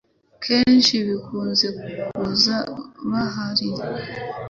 Akenshi bikunze kuza adahari